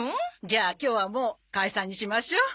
じゃあ今日はもう解散にしましょう。